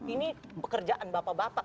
ini pekerjaan bapak bapak